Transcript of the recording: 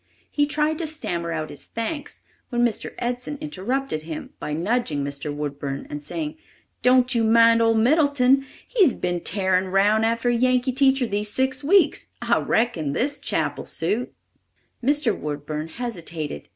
He tried to stammer out his thanks, when Mr. Edson interrupted him by nudging Mr. Woodburn and saying: "Don't you mind old Middleton. He's been tarin' round after a Yankee teacher these six weeks. I reckon this chap'll suit." Mr. Woodburn hesitated.